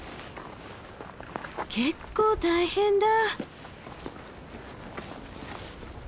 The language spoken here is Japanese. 結構大変だ。